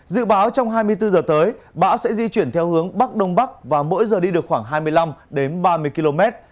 dự báo trong hai mươi bốn h tới bão sẽ di chuyển theo hướng bắc đông bắc và mỗi giờ đi được khoảng hai mươi năm ba mươi km